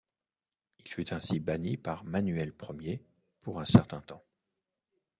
Il fut ainsi banni par Manuel Ier pour un certain temps.